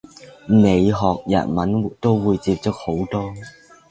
你學日文都會接觸好多